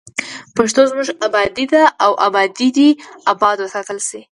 پښتو زموږ ابادي ده او ابادي دې اباد وساتل شي.